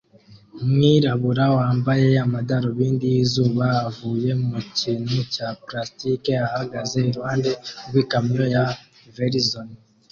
Umwirabura wambaye amadarubindi yizuba avuye mu kintu cya plastiki ahagaze iruhande rwikamyo ya Verizon